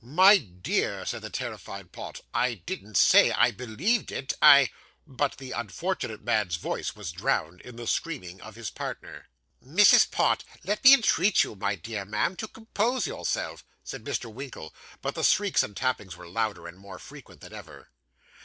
'My dear,' said the terrified Pott, 'I didn't say I believed it; I ' but the unfortunate man's voice was drowned in the screaming of his partner. 'Mrs. Pott, let me entreat you, my dear ma'am, to compose yourself,' said Mr. Winkle; but the shrieks and tappings were louder, and more frequent than ever.